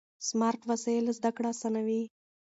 سمارټ وسایل زده کړه اسانوي.